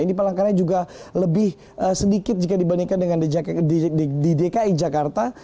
ini palangkaraya juga lebih sedikit jika dibandingkan dengan di dki jakarta